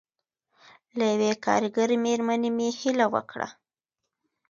له یوې کارګرې مېرمنې مې هیله وکړه.